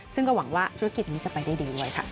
ซึ่งก็หวังว่าธุรกิจนี้จะไปได้ดีด้วยค่ะ